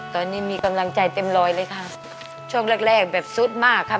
ตอนนี้มีกำลังใจเต็มร้อยเลยค่ะช่วงแรกแรกแบบสุดมากครับ